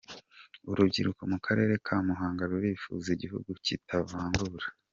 Urubyiruko mu karere ka Muhanga rurifuza igihugu kitavangura.